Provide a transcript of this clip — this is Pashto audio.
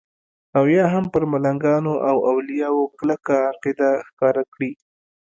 او یا هم پر ملنګانو او اولیاو کلکه عقیده ښکاره کړي.